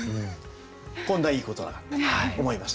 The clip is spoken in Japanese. こんないいことなかったと思います。